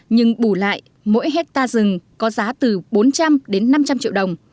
nhưng bù lại mỗi hectare rừng có giá từ bốn trăm linh đến năm trăm linh triệu đồng